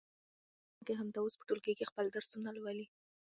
زده کوونکي همدا اوس په ټولګي کې خپل درسونه لولي.